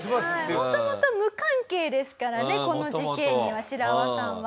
もともと無関係ですからねこの事件にはシラワさんは。